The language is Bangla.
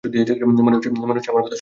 মনে হচ্ছে আমার কথা শুনছোই না।